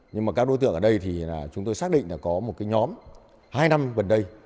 nhưng mà các đối tượng ở đây thì chúng tôi xác định là có một cái nhóm hai năm gần đây